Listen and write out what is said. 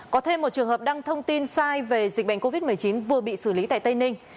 có thêm một trường hợp đăng thông tin sai về dịch bệnh covid một mươi chín vừa bị xử lý tại tây ninh